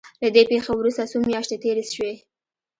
له دې پېښې وروسته څو مياشتې تېرې شوې.